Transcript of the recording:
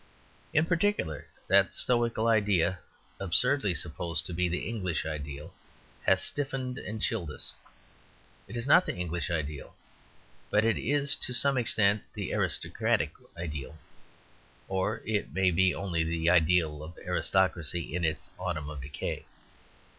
In particular, that stoical ideal, absurdly supposed to be the English ideal, has stiffened and chilled us. It is not the English ideal; but it is to some extent the aristocratic ideal; or it may be only the ideal of aristocracy in its autumn or decay.